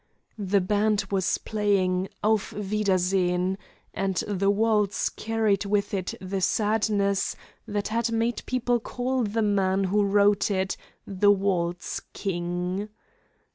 The band was playing "Auf Wiedersehen," and the waltz carried with it the sadness that had made people call the man who wrote it the waltz king.